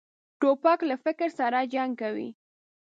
توپک له فکر سره جنګ کوي.